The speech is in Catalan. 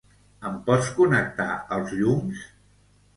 Em pots connectar els llums?